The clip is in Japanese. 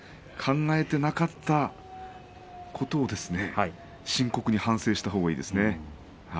考えていなかったことを深刻に反省したほうがいいです。